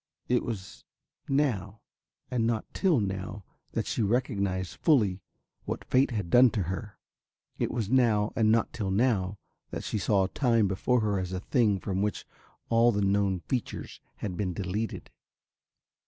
It was now and not till now that she recognised fully what Fate had done to her. It was now and not till now that she saw Time before her as a thing from which all the known features had been deleted.